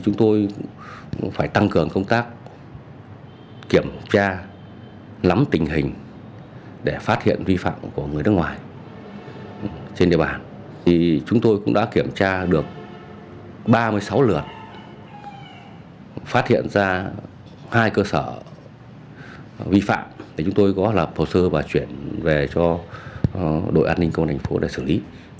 ngoài ra hai cơ sở vi phạm để chúng tôi có là phổ sơ và chuyển về cho đội an ninh công an thành phố để xử lý